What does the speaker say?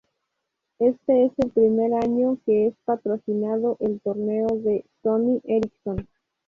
Este es el primer año que es patrocinado el torneo por Sony Ericsson.